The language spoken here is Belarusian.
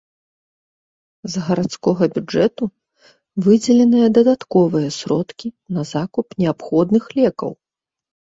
З гарадскога бюджэту выдзеленыя дадатковыя сродкі на закуп неабходных лекаў.